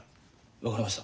分かりました。